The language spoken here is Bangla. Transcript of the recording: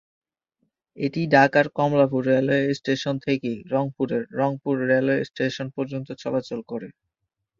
এটি ঢাকার কমলাপুর রেলওয়ে স্টেশন থেকে রংপুরের রংপুর রেলওয়ে স্টেশন পর্যন্ত চলাচল করে।